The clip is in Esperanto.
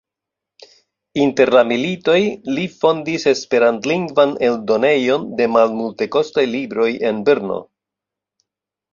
Inter la militoj li fondis esperantlingvan eldonejon de malmultekostaj libroj en Brno.